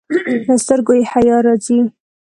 له سترګو یې حیا راځي.